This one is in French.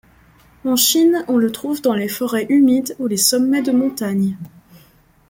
En Chine, on le trouve dans les forêts humides ou les sommets de montagnes.